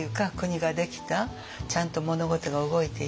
ちゃんと物事が動いていった。